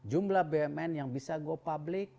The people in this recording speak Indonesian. jumlah bumn yang bisa go public